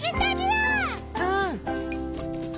うん！